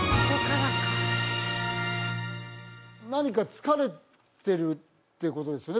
何か疲れてるっていうことですよね？